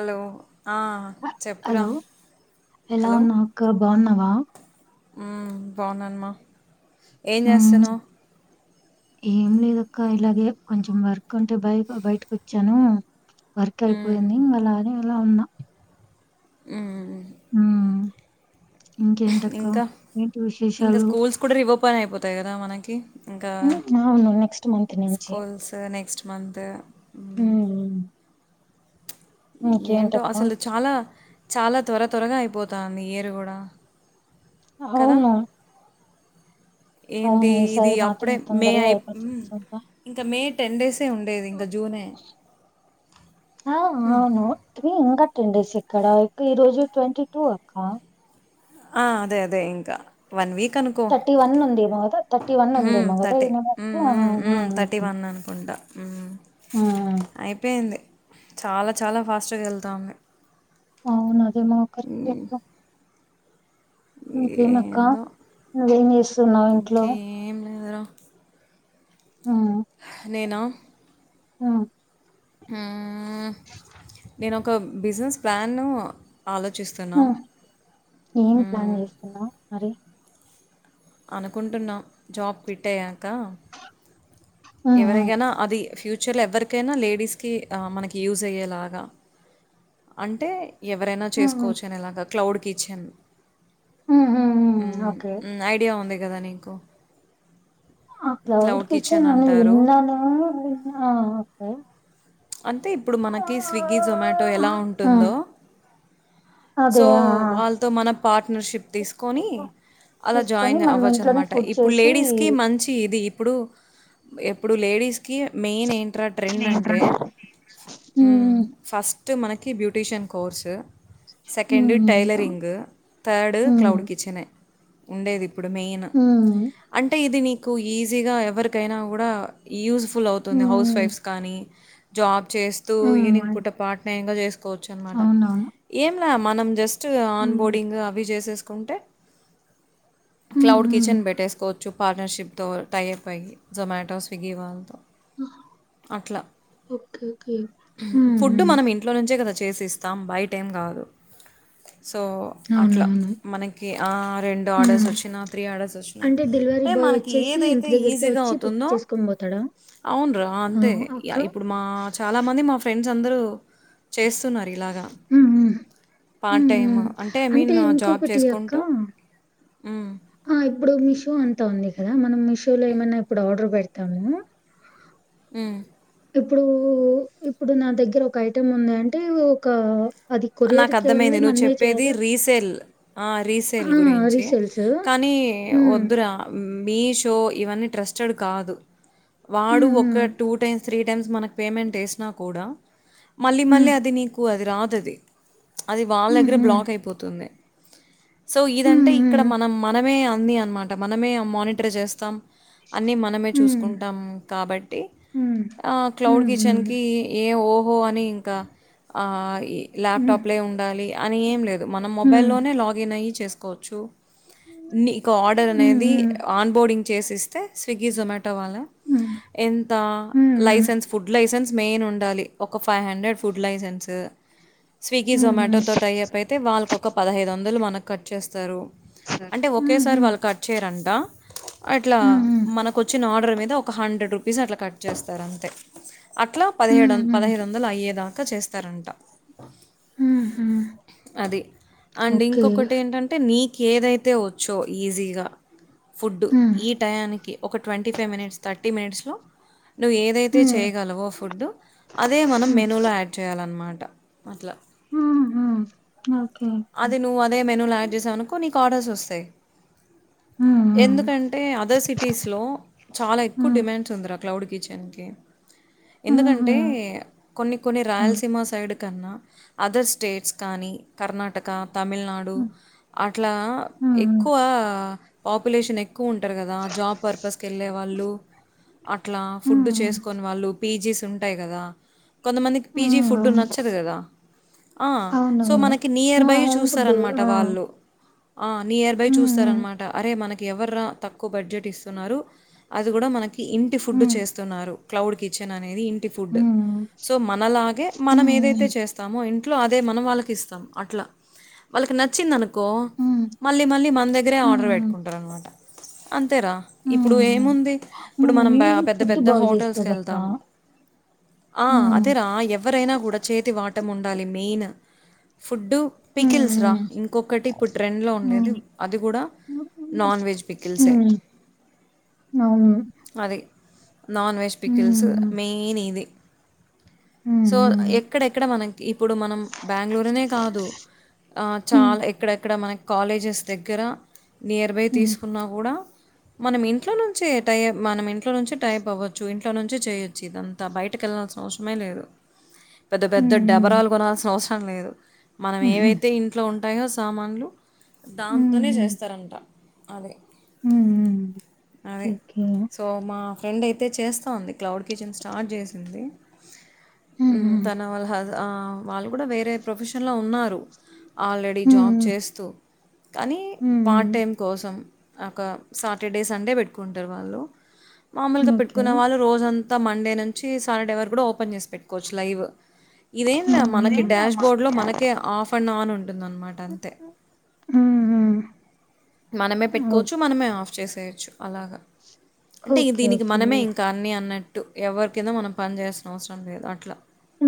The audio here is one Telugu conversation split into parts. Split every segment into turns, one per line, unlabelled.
హలో ఆ చెప్పురా
అలో ఎలా
హలో
ఉన్నావక్క బాన్నావా
మ్మ్ బావున్నాన్ మా ఏం
హ్మ్.
జేస్తనావ్
ఏం లేదక్క ఇలాగే కొంచెం వర్క్ అంటే బై బైటకొచ్చాను వర్క్ ఐపోయింది ఇంగలానే ఇలా ఉన్నా
మ్మ్
మ్మ్ ఇంకేంటక్క
ఇంకా
ఏంటి విశేషాలు
పనైపోతాది కదా మనకి ఇంకా
మ్మ్ అవును నెక్స్ట్ మంత్ నించే
మంతు
మ్మ్ మ్
ఏంటో అసలు చాలా చాలా త్వర త్వరగా ఐపోతాంది ఇయరు గూడ
అవును
ఏంటి
అవును.
ఇది
ఈసారి మాత్రం
అప్పుడే మే
తొందరగా
ఐప్
అయిపోతుందా?
ఇంక మే టెన్ డేస్
ఆ అవును [unintelligible] ఇంగట్ టెన్ డేస్ ఎక్కడ ఇక్ ఈ రోజు ట్వంటీ టూ అక్క
ఆ అదే అదే ఇంకా వన్ వీక్ అనుకో
థర్టీ వన్ ఉందేమో గదా థర్టీ వన్
హ్మ్.
ఉందేమో గదా ఈ
థర్టీ.
నెల
హ్మ్. హ్మ్. హ్మ్. అనుకుంటా. హ్మ్. అయిపోయింది. చాలా చాలా ఫాస్ట్గా ఎల్తావున్నయ్
అవును అదేమో కర్క్టే కో ఇంకేమక్క
ఏందో
నువ్వేం జేస్తున్నావ్ ఇంట్లో
ఏంది రా
మ్మ్
నేను
మ్మ్
మ్మ్ మ్మ్మ్మ్ నేను ఒక బిజినెస్ ప్లాన్ను
అహ్ ఏం ప్లాన్
హ్మ్.
చేస్తున్నావు మరి.
అనుకుంటున్నాం జాబ్ క్విట్ అయ్యాక
ఉమ్ ఉమ్
ఎవరైకైనా అది ఫ్యూచ చల్ ఎవరికైనా లేడీస్కి మనకి యూజ్ అయ్యేలాగా అంటే ఎవరైనా
ఉమ్ ఉమ్
చేసుకోవచ్చు అనేలాగా క్లౌడ్ కిచెన్ ఉమ్ ఉ ఐడియ ఉంది కద నికో
ఆ క్లౌడ్ కిచెన్
అంటారు.
విన్నాను విన్నా
అంటే ఇప్పుడు మనకి స్విగ్గీ జొమాటో ఎలా
ఆ
ఉంటుందో
అదే
సో
ఆ
వాళ్ళతో మన పార్ట్నర్షిప్ తీసుకొని
ఆ.
అలా
తీసుకొని
జాయిన్
మనం
అవ్వచ్చు
ఇంట్లోనే
అనమాట
ఫుడ్
ఇప్పుడు
చేసి
లేడీస్కి మంచి ఇది ఇప్పుడు ఎప్పుడు లేడీస్ కి మెయిన్ ఏంట్రా ట్రెండ్ అంటే ఊ
ఉమ్
ఫస్ స్ట్ మనకి బ్యూటీషియన్ కోర్సు సెకండ్
ఉమ్
టైలరింగ్ థర్డ్
ఉమ్
క్లౌడ్ కిచెన్ ఏ ఉండేది ఇప్పుడు మెయిన్
హ్మ్.
అంటే ఇది నీ కు ఈజీగా ఎవరికైనా కూడా యూస్ ఫుల్ అవుతుంది హౌస్
హ్మ్.
వైఫ్స్ కానీ జాబ్ చేస్తూ ఈవినింగ్
హ్మ్.
పూట పార్ట్టైమ్ గా చేస్ కోవచ్చు అనమాట
అవునవును.
ఏం మనం జస్ట్ చ్ ఆన్
హ్మ్.
బోర్డింగ్ అవి చేసే అంటే
హ్మ్.
క్లౌడ్
హ్మ్.
కిచెన్ పెట్టేసుకో కొంచూ పార్ట్నర్షిప్తో టై అయిపోయి జొమాటో స్విగ్గీ వాళ్ళతో అట్లా.
హుహు
ప్రత్యేకత చేసిస్తాం బై టైం కాదు సో అట్లా
అవునవును.
మనకి ఆ రెండు ఆర్డర్స్
హ్మ్.
వచ్చినా త్రీ ఆర్డర్స్ వచ్చినా
అంటే డెలివరీ
అంటే
బాయ్
మనకి
ఒచ్చేసి
ఏదైతే
ఇంటి దగ్గరికే
ఈజీగా
వచ్చి పిక్
అవుతుందో
చేసుకొని పోతాడా?
అవును రా
ఆ!
అంతే
అక్క.
య ఇప్పుడు ఆ చాలా మంది మా ఫ్రెండ్ ఫ్రెండ్స్ అందరు చేస్తున్నారు ఇలాగా
హ్మ్. హ్మ్.
పార్ట్
హ్మ్.
టైమ్
హ్మ్.
అంటే ఐ మీన్ జాబ్
ఇంకొకటి అక్క
చేసుకుంటూ ఉ
ఆ! ఇప్పుడు మీషో అంతా ఉంది కదా మనం మిషో లో ఏమైనా ఇప్పుడు ఆర్డర్ పెడతాము
అ
ఇప్పుడు ఇప్పుడు నా దగ్గర ఒక ఐటెం ఉంది అంటే ఒక అది
నాకు
కొరియర్‌కెళ్ళి
అర్థమైంది నువ్వు
మనమే
చెప్పేది
చేయాలా?
రీసేల్ ఆ
ఆ!
రీసేల్ గురించి
రీసేల్స్.
కానీ
హ్మ్.
వద్దురా మీషో ఇవన్నీ ట్రస్టెడ్ కాదు
ఓకే.
వాడు ఒక
హ్మ్.
టూ టైమ్స్ త్రీ టైమ్స్ మనకు పేమెంట్ వేసినా కూడా మళ్లీ
హ్మ్.
మళ్ళలీ అది నీకు అది రా టది అది వాళ్ళ
హ్మ్.
దగ్గర బ్లాక్ అయిపోతుంది సో ఇదంటే
హ్మ్.
ఇక్కడ మనం మనమే అంది అన్న అనమాట మనమే మానిటర్ చేస్తాం అన్నీ మనమే చూసుకుంటాం కాబట్టి క్లౌడ్ కిచెన్కి ఏ ఓ ఓ అని ఇంకా ఆ ల్యాప్టాప్ లే ఉండాలి అని ఏం లేదు మనం మొబైల్లోనే లాగిన్ అ చేసుకోవచ్చు నీకు ఆర్డర్ అనేది ఆన్ బోర్డింగ్ చేసిస్తే స్విగ్గీ జొమాటో వాలా ఎంత లైసెన్స్ ఫుడ్ లైసెన్స్ మెయిన్ ఉండాలి ఒక ఫు five hundred food licence Swiggy Zomato తో టైప్పైతే వవాల్ కొక పదహైదు వందలు మనకు కట్ చేస్తారు అంటే ఒకేసారి వాళ్ళు కట్ చేయారంట అట్లా
హ్మ్.
మనకు వచ్చిన ఆర్డర్ మీద ఒక హండ్రెడ్ రూపీస్ అట్లా కట్ చేస్తారు అంతే అట్లా పదిహేడు వంద పదహైదు వందలు అయ్యేదాకా చేస్త తరంట అది అండ్
ఓకే. ఓకే.
ఇంకొకటి ఏంటంటే నీ ఏదైతే వచ్చో ఈజీగా ఫుడ్
హ్మ్.
ఈ టయానికి ఒక ట్వంటీ ఫైవ్ మినిట్స్ త థర్టీ మినిట్స్లో నువ్వు ఏదైతే
హ్మ్.
చేయగలవొ ఫుడ్ అదే మనం మెనూలో యాడ్ చేయాలన్నమాట అట్లా
ఆహా న
అదే నువ్ అదే మేను లా వనుకో నీకు ఆర్డర్స్ వస్తాయి ఎందుకంటే అదర్ సిటీస్లో చాలా ఎక్కువ డిమాండ్స్ ఉంది రా క్లౌడ్ కిచెన్కి
హ్మ్.
ఎందుకంటే
హుహు.
కొన్ని కొన్ని
హ్మ్. హ్మ్.
రాయలసీమ సైడ్ కన్నా అదర్ స్టేట్స్ కానీ కర్ణా టకా తమిళనాడు అట్లా
హ్మ్.
ఎక్కువ పాపులేషన్ ఎక్కువ ఉంటారు కదా జాబ్ పర్పస్కి వెళ్ళే వాళ్ళు అట్లా
హ్మ్.
ఫుడ్
హ్మ్.
చేసుకొని వాళ్ళు పీజీస్ ఉంటాయి కదా కొంతమందికి పీజీ ఫుడ్
అవును.
నచ్చదు కదా సో
అవునవును.
మనకి నియర్
ఆ!
Buyer
home food.
చూస్తారనమాట
ఆ!
వాళ్ళు నియర్ బై
హ్మ్. హ్మ్.
చూస్తారనమాట అరే మనకి ఎవర్రా తక్కువ బడ్జెట్ ఇస్తున్నారు అది కూడా మన ఇంటి ఫుడ్డు
హ్మ్.
చేస్తున్నారు క్లౌడ్ కిచెన్ అనేది ఇంటి ఫుడ్
హ్మ్.
సో మనలాగే మనం ఏదైతే
హ్మ్
చేస్తామో అట్లా అదే మనం వాళ్ళకి ఇస్తాం అట్లా వాళ్ళకి నచ్చింది అనుకు కో
హ్మ్
మళ్ళీ మళ్ళీ మన దగ్గరే ఆర్డర్
హ్మ్
పెట్టుకుంటారనమాట అంతేరా ఇప్పుడు
హ్మ్ మా
ఏముంది ఇప్పుడు మనం
మమ్మీ
పెద్ద
ఫుడ్
పెద్ద
బాగా
హోటల్స్కి
చేస్తదక్క.
వెళ్తాం
హ్మ్
అదేరా ఎవరైనా కూడా చేతి వాటం ఉండాలి మెయిన్ ఫుడ్డు పికిల్స్ రా
హ్మ్
ఇంకొకటి ఇప్పుడు ట్రెండ్లో ఉండేది
హ్మ్
అది కూడా నాన్ వెజ్ పికిల్సే
హ్మ్ అవును.
అది నాన్ వెజ్ పికిల్స్
హ్మ్
మెయిన్ ఇది
హ్మ్
సో ఎక్కడెక్కడ మనకి ఇప్పుడు మనం బ్యాంగళూరునే కాదు ఆ చాలా
హ్మ్
ఎక్కడెక్కడ మన కాలేజెస్ దగ్గర నియర్ బై
హ్మ్
తీసుకున్నా కూడా మనం ఇంట్లో నుంచి ఎటై మనం ఇంట్లో నుంచి టైప్ అవ్వచ్చు ఇంట్ ఇట్లో నుంచి చేయొచ్చు ఇదంతా బయటకి వెళ్లాాల్సిన అవసరమే లేదు పెద్ద పెద్ద
హ్మ్
డెబరాలు కొల్స అ లేదు మనం
హుహు.
ఏవైతే ఇంట్లో ఉం సామాన్లు దాంతోనే
హ్మ్
చేస్తారంట అదిే
హ్మ్
అదే
ఓకే.
సో మా ఫ్రెండ్ ఐతే యితే చేస్తా ఉంది క్లౌడ్ కిచెన్ స్టార్ట్ చేసింది
హ్మ్
తన వల్ల హ వాళ్ళ కూడా వేరే ప్రొఫెషన్ న్నారు ఆల్రెడీ జాబ్
హ్మ్
చేస్తూ కనీ పార్ట్
హ్మ్
టైం కోసం ఒక సాటర్డే సండే పెట్టుకుంటరు వాళ్ళు మామూలుగా
ఓకే.
పెట్టుకున్న వాళ్ళు రోజం అంత మండే నుంచి సాటర్డే వరకు కూడా ఓపెన్ చేసి పెట్టుకోవచ్చు లైవ్ ఇదేం ల్యా
హ్మ్
మనకి డాష్ బోర్డ్ లో మనకి ఆఫ్ అండ్ ఆన్ ఉన్ టున్తుంది అనమాట అంతే
హ్మ్
మనమే పెట్టుకోవచ్చు మనమే ఆఫ్ చేసేయొచ్చు అలాగా
ఓకే
అంటే
ఓకే.
దీనికి
ఓకే.
మనమే ఇంకా అన్నీ అన్నట్ అటు ఎవరి కింద మనం పనిచేల్సిన అవసరం లేదు అట్లా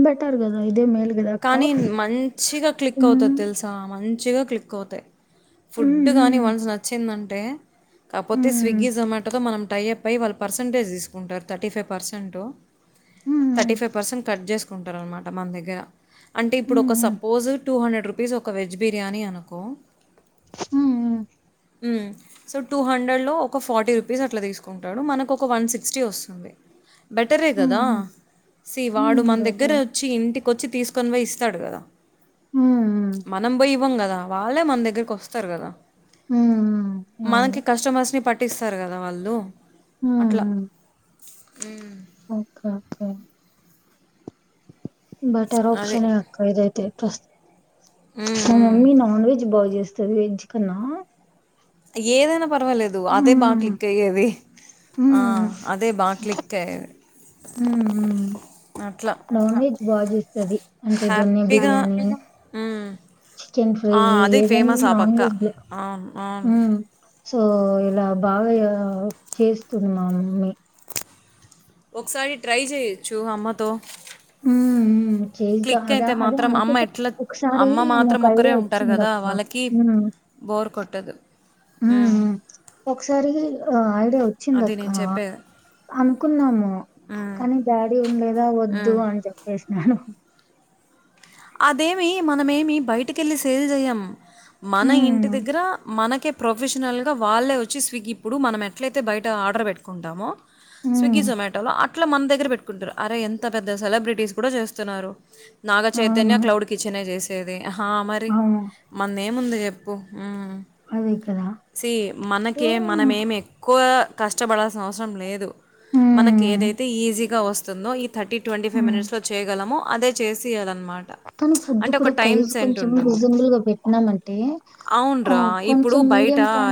బెటార్ గద ఇదే మేల్ గదా అక్క
కానీ మంచిగా క్లిక్ అవుతది
హ్మ్
తెల్సా మంచిగా క్లిక్ అవుతాయి
హ్మ్
ఫుడ్ గాని
హ్మ్
వన్స్ నచ్చిందం టే కాపోతే
హ్మ్
స్విగ్గీ జొమాటోతో మనం టైయ్యప్పై వాళ్ళు పర్సంటేజ్ తీసుకుంటారు థర్టీ ఫైవ్ పర్సెంట్
హ్మ్
థర్టీ ఫైవ్ పర్సెంట్ కట్ జేస్ కుంటారనమాట మన దగ్గెర అంటే ఇప్పుడు
హ్మ్.
ఒక
హ్మ్.
సప్ టు హన్రెడ్ రూపీస్ ఒక వెజ్ బిర్యానీ అనకో
హ్మ్ హూ
హ్మ్ సో టూ హండ్రెడ్లో ఒక ఫార్టీ రూపీస్ అట్లా తీసుకుంటాడు మనకొక వన్ సిక్స్టీ వస్తుంది బెటరే
హ్మ్.
కదా
హ్మ్.
సీ వాడు
హ్మ్.
మన దగ్గర
బెటర్.
వచ్చి ఇంటికి వచ్చి తీసుకొని పోయి తడుగద
హ్మ్. హ్మ్.
మనం బోయి ఇవ్వం గా వాళ్ళే మన దగ్గరకి వస్తారు కదా
హ్మ్. హ్మ్. అవును.
మనకి కస్టమర్స్ ని పట్ పట్టిస్తారు కదా వాళ్ళు
హ్మ్ హ్మ్
హ్మ్
ఓకే ఓకే బెటర్
అదే
ఆప్షనే అక్క ఇదైతే ప్రస్
ఉమ్,
మ
ఉమ్.
మమ్మీ నాన్ వెెజ్ బా చేస చదిఎంచికన్నా
ఏదైనా పర్వాలేదు అదే బాగా క్లిక్ అయ్యేది ఆ
హ్మ్.
అదే బాగా క్లిక్ అయ్యేది
హ్మ్. హ్మ్.
అట్లా
తది అంటే దొన్నే
హ్యాపీగా
బిర్యానీ
ఉమ్.
చికెన్ ఫ్రై
ఆ, అది
ఏదన్నా
ఫేమస్ ఆ
నాన్
పక్క
వెజ్లో
అవును అవును
హ్మ్ సో ఇలా బాగా చేస్తుంది మా మమ్మీ
ఒకసారి ట్రై చేయొచ్చు అమ్మతో
హ్మ్ ఉ చే
క్లిక్
అద
అయితే
అదే
మాత్రం అమ్మ
అనుకుంటే
ఎట్లా
ఒకసారి
అమ్మ
మా
మాత్రం ఒకరే
ఐడియా
ఉంటారు కదా
వచ్చిందక్క
వాళ్ళకి
హ్మ్
బోర్ కొట్టదు ఉమ్,
హ్మ్ ఒకసారి ఐడియా వచ్చింది
అది
అక్క
నేను చెప్పేది
అనుకున్నాము
ఉమ్,
కానీ డాడీ ఉడిదా వద్దు
ఉమ్.
అని చెప్పేసి నాలో
అదేమి మనమేమి బయటికెళ్ళి సేల్ చేయం మన ఇంటి
హ్మ్.
దగ్గర మనకే ప్రొఫెషనల్గా వాళ్ళే వచ్చి స్విగ్గీ ఇప్పుడు మనం ఎట్లయితే బయట ఆర్డర్ పెట్టుకుంటామో
హ్మ్.
స్విగ్గి జోమటోలో అట్లా మన దగ్గర పెట్టుకుంటారు అరె ఎంత పెద్ద సెలబ్రిటీలు కూడా చేస్తున్నారు నా చైతన్య
అవును.
క్లౌడ్ కిచన్ చేసి చేది హా మరి
అవును.
మంది ఏముంది ఎప్పు హ్మ్
అదే కదా!
సి
సో
మనకే మనం ఏమి ఎక్కువ కష్టపడాల్సిన అవసరం లేదు మనకి
హ్మ్.
ఏదైతే ఈజీగా వస్ స్తుందో థర్టీ ట్వంటీ ఫైవ్
హ్మ్.
మినిట్స్లో చేయగలము అదే చేసియ్యాలన్
కానీ ఫుడ్ కూడా ప్రైజ్ కొంచెం
ఉంటుంది
రీజనబుల్గా పెట్టినామ అంటే
అవునరా
కొంచెం మీడియం క్వా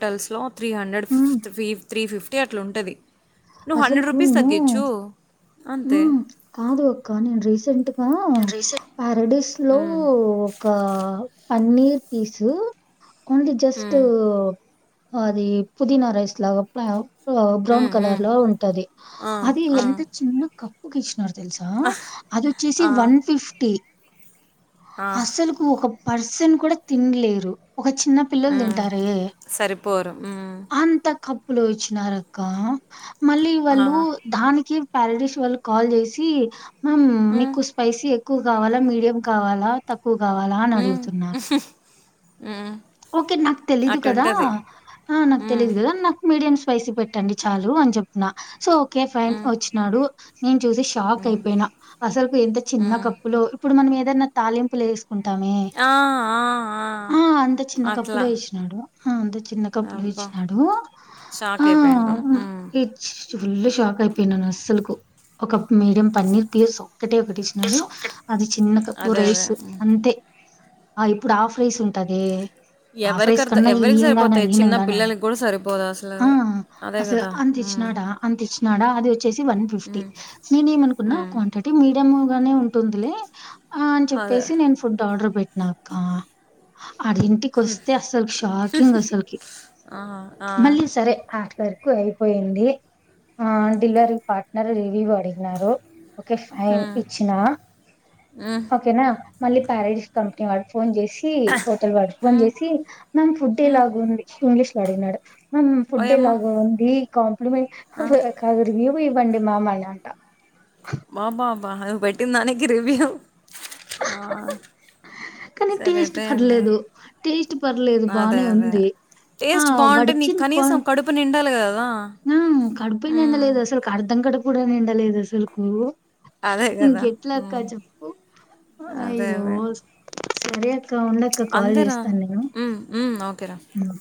హటల్స్ లో త్రీ హండ్రెడ్ ఫిఫ్త్ ఫి త్రీ ఫిఫ్టీ అట్లా ఉంటది
అసలు కూ నేను
అంతే
హ్మ్ కాదు అక్క నేను రీసెంట్గా పారాడీస్ లో
ఉమ్,
ఒకా paneer piece only just
um,
అది పుదీనా రైస్ లాగ అ బ్రౌన్
ఉమ్,
కలర్
ఉమ్.
లో ఉంటది
ఆ,
అది
ఆ,
ఎంత చిన్న క ఒకిష్ తెలుసా అదొచ్చేసి
ఆ,
వన్ ఫిఫ్టి
ఆ.
అసలుకు ఒక పర్సన్ కూడా తిన్లేరు ఒక చిన్న పిల్లలు తింటారే
సరిపోరు
అంత క క్లూ ఇచ్చినార్ అక్క మళ్ళి వాళ్ళు
ఆ
దానికి ప్యారడిష్ వాళ్ళు కాల్ చేసి మమ్ మీకు స్పైసీ ఎక్కువ కావాలా మీడియం కావాలా తక్ తక్కువ కావాలా అని అడుగుతున్నారు
మ్
ఒకే నాక్ తెలీదు కదా
అటుంటది
ఆ నాకు
మ్
తెలీదు కదా నాకు మీడియం స్పైసీ పెట్టండి చాలూ అని చెప్పిన సొ ఒకే ఫైన్
మ్
వచ్చినాడు నేను చూసి షాక్ అయిపోయినా అసలుకు ఇంత చిన్న
మ్
కప్పులో ఇప్పుడు మనం ఏద ధన తాలింపు లేసు కుంటామే
ఆ ఆ ఆ
చిన్న కప్పులొ
అట్లా
ఏస్నాడు ఆ అంత చిన్న కప్పులో
అబ్బా
ఏయిచ్చినాడు
షాక్
ఆ
అయిపోయింటాం మ్
ఇచ్ ఫుల్లు షాక్ ఐపోయ్నాన్ అస్సలుకు ఒక మీడియం పన్నీర్ పీసు ఒకటే ఒకటి ఇచ్చినాడు అది చిన్న కప్పు
అదే అదే
రైస్
మ్
అంతే ఆ ఇప్పుడు హాఫ్ రైస్ ఉంటాది ఆఫ్
ఎవరికి
రైస్
అర్థం
కన్నా
ఎవరికి
ఎయింగాన
సరిపోతాయి చిన్న
ఈనింగానానే
పిల్లలకి కూడా సరిపోదు అసలు
ఆ
అది అదే
అసలు
కదా మ్
అంతిచ్చినాడా అంతిచ్చినాడా అది వచ్చేసి వన్ ఫిఫ్టీ
మ్
నేనేం అనుకున్నా
మ్
క్వాంటిటీ మీడియం గానే ఉంటుందిలే ఆ అన్
అదే
చెప్పేసి నేన్ ఫుడ్ ఆర్డర్ పెట్ నాకా అది కొస్తే అసల్క్ షాకింగ్ అసల్కి
ఆ ఆ
మళ్ళీ సరే ఆ వర్కు ఐపోయింది ఆ డిల్వరీ పార్ట్నర్ రివ్యూ అడిగినారు ఒకే ఫైన్
మ్
ఇచ్చినా
మ్
ఒకెనా మళ్ళి ప్యారేడిస్ కంపెని వాడు ఫోన్ జెస్ సి హోటల్ వాడు ఫోన్ జేసి మ్యామ్ ఫుడ్డెలా గుంది ఇంగ్లీష్ వాడినడు మమ్ ఫుడ్
ఓయమ్మ
ఎలాగ ఉంది కౌన్
ఆ
[unintelligible] పొయ్ వండి మామన్నాంట
బా బాబా అదో పెట్టిందానికి రివ్యూ ఆ,
కనీ టేస్ట్
సరిపోయింది
పర్లేదు టేస్ట్ పర్లేదు
అదే
బానే
అదే
ఉంది ఆ
టేస్ట్ బాగుంటే నీకు
వాడిచ్చింద్
కనీసం
కొంచ్
[inaudible]
మ్మ్ కడ్పే
మ్మ్.
నిండలేదసల్క్ కర్థం కడుప్ కూడా నిండలేదసల్కు
అదే కదా
ఇంకెట్లా అక్క
మ్మ్.
చెప్పు
అదే
అయ్యో
అదే
సరే అక్ క్క ఉండక్క కాల్
అంతేరా
చేస్తాన్ నేను
మ్మ్, మ్మ్, ఓకేరా
మ్మ్